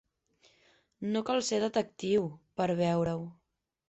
No cal ser detectiu, per veure-ho.